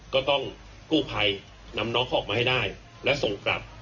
ก็ต้องกู้ภัยนำน้องเขาออกมาให้ได้และส่งกลับ